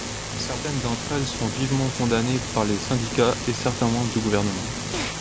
Certaines d'entre elles sont vivement condamnées par les syndicats et certains membres du gouvernement.